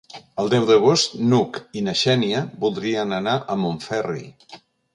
El deu d'agost n'Hug i na Xènia voldrien anar a Montferri.